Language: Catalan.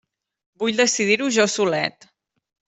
Vull decidir-ho jo solet!